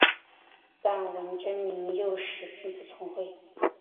但文征明幼时并不聪慧。